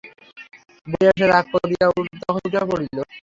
বলিয়া সে রাগ করিয়া তখনি উঠিয়া পড়িল।